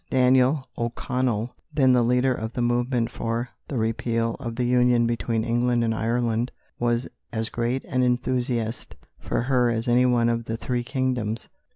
Daniel O'Connell, then the leader of the movement for the repeal of the union between England and Ireland, was as great an enthusiast for her as any one in the three kingdoms.